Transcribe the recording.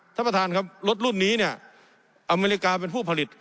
ท่านประธานครับรถรุ่นนี้เนี่ยอเมริกาเป็นผู้ผลิต